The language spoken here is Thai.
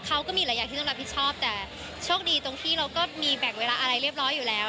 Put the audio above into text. เขาก็มีหลายอย่างที่ต้องรับผิดชอบแต่โชคดีตรงที่เราก็มีแบ่งเวลาอะไรเรียบร้อยอยู่แล้ว